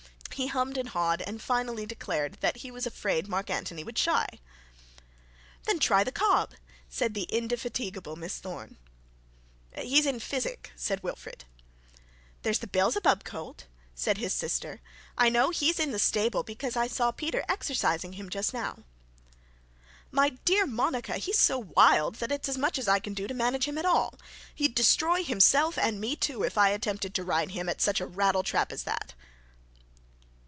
He hummed and hawed, and finally declared that he was afraid Mark Antony would shy. 'Then try the cob,' said the indefatigable Miss Thorne. 'He's in physic,' said Wilfred. 'There's the Beelzebub colt,' said his sister; 'I know he's in the stable, because I saw Peter exercising him just now.' 'My dear Monica, he's so wild that it's as much as I can do to manage him at all. He'd destroy himself and me too, if I attempted to ride him at such a rattletrap as that.'